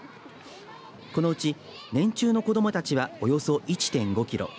このうち年中の子どもたちはおよそ１．５キロ。